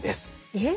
えっ？